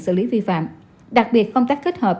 xử lý vi phạm đặc biệt công tác kết hợp